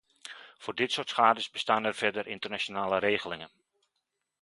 Voor dit soort schades bestaan er verder internationale regelingen.